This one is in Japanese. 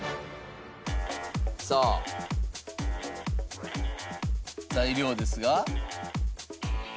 さあ材料ですが。